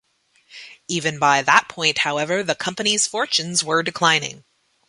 Even by that point, however, the company's fortunes were declining.